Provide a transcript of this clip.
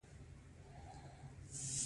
د اکثرو په نظر دوی سم کسان نه وو.